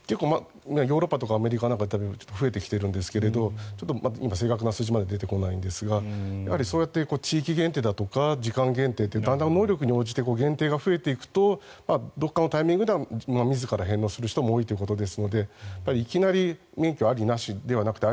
ヨーロッパとかアメリカなんかで増えてきているんですが今、正確な数字までは出てこないんですがそうやって地域限定とか時間限定ってだんだん能力に応じて限定が増えるとどこかのタイミングで自ら返納する人も多いということですのでいきなり免許あり、なしではなくて